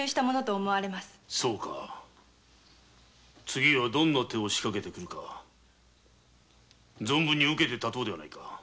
次はどんな手を仕掛けて来るか存分に受けて立とうではないか。